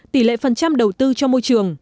tỷ lệ phần trăm đầu tư cho môi trường